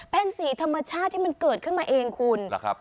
แผ้นสีธรรมชาติที่มันเกิดขึ้นมาเองคุณหรือครับ